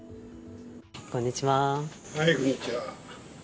こんにちは。